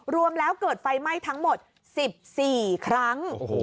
รวมแล้วเกิดไฟไหม้ทั้งหมด๑๔ครั้ง